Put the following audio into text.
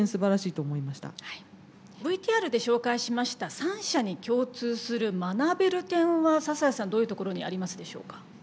ＶＴＲで紹介しました３社に共通する学べる点は笹谷さんどういうところにありますでしょうか？